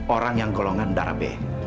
orang yang golongan darah b